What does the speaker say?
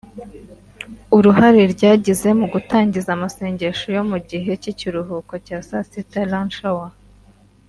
Uruhare ryagize mu gutangiza amasengesho yo mu gihe cy’ikiruhuko cya saa sita- Lunch Hour